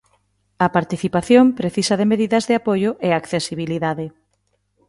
A participación precisa de medidas de apoio e accesibilidade.